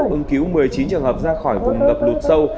ưng cứu một mươi chín trường hợp ra khỏi vùng ngập lụt sâu